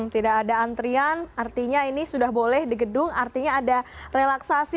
tidak ada antrian artinya ini sudah boleh di gedung artinya ada relaksasi